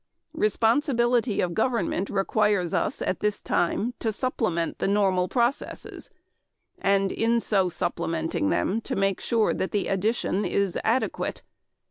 Responsibility of government requires us at this time to supplement the normal processes and in so supplementing them to make sure that the addition is adequate.